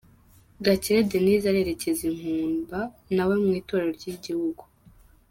Gakire Denise arerekeza i Nkumba nawe mu itorero ry'igihugu.